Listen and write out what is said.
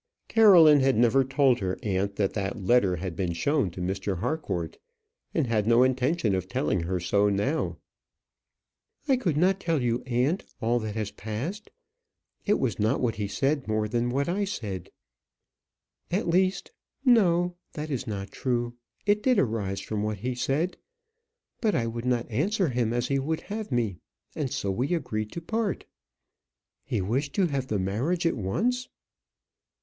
Caroline had never told her aunt that that letter had been shown to Mr. Harcourt, and had no intention of telling her so now. "I could not tell you, aunt, all that passed. It was not what he said more than what I said. At least no; that is not true. It did arise from what he said; but I would not answer him as he would have me; and so we agreed to part." "He wished to have the marriage at once?"